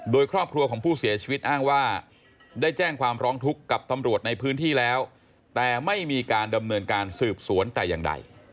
โดยครอบครัวของผู้เสียชีวิตอ้างว่าได้แจ้งความร้องทุกข์กับตำรวจในพื้นที่แล้วแต่ไม่มีการดำเนินการสืบสวนแต่อย่างใด